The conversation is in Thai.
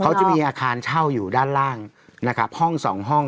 เขาจะมีอาคารเช่าอยู่ด้านล่างห้อง๒ห้อง